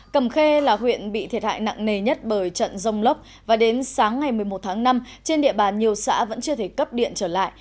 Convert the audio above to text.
cầm khê là huyện bị thiệt hại nặng nề nhất bởi trận rông lốc và đến sáng ngày một mươi một tháng năm trên địa bàn nhiều xã vẫn chưa thể cấp điện trở lại